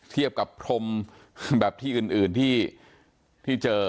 เทียบกับพรมแบบที่อื่นที่เจอ